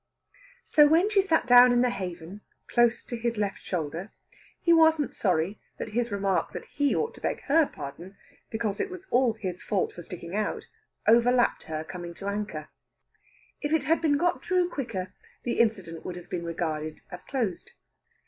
So when she sat down in the haven, close to his left shoulder, he wasn't sorry that his remark that he ought to beg her pardon, because it was all his fault for sticking out, overlapped her coming to an anchor. If it had been got through quicker, the incident would have been regarded as closed.